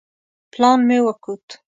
پلان مې وکوت.